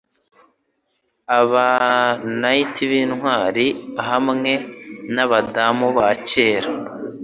aba knight b'intwari hamwe nabadamu ba kera